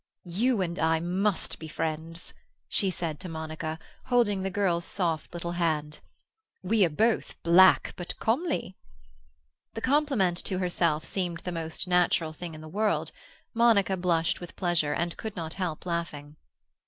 "You and I must be friends," she said to Monica, holding the girl's soft little hand. "We are both black but comely." The compliment to herself seemed the most natural thing in the world. Monica blushed with pleasure, and could not help laughing.